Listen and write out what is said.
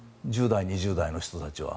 １０代２０代の人たちは。